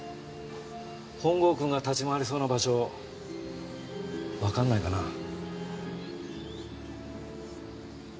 本郷くんが立ち回りそうな場所わかんないかな？